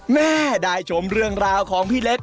แม่ได้ชมเรื่องราวของพี่เล็ก